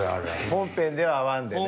本編では会わんでね。